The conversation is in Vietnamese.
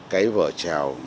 cái vở trèo